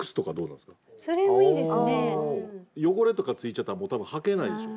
汚れとかついちゃったらもう多分はけないでしょ。